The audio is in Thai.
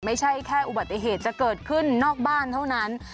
ไม่ใช่แค่อุบัติเหตุจะเกิดขึ้นนอกบ้านเท่านั้น